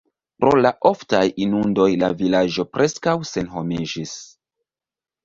Pro la oftaj inundoj la vilaĝo preskaŭ senhomiĝis.